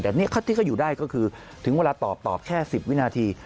แต่นี่ที่เขาอยู่ได้ก็คือถึงเวลาตอบตอบแค่๑๐วินาที